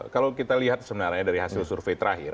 kalau kita lihat sebenarnya dari hasil survei terakhir